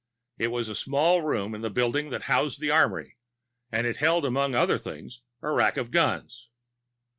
It was a small room in the building that housed the armory and it held, among other things, a rack of guns.